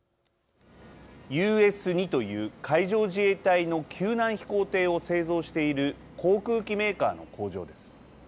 ＵＳ−２という海上自衛隊の救難飛行艇を製造している航空機メーカーの工場です。